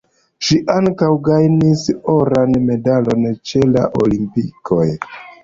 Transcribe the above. Ŝi ankaŭ gajnis oran medalon ĉe la Olimpikoj.